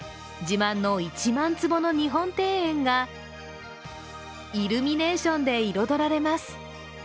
自慢の１万坪の日本庭園が、イルミネーションで彩られます。